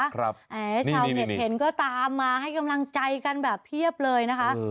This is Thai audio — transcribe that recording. ชาวเน็ตเห็นก็ตามมาให้กำลังใจกันแบบเพียบเลยนะคะ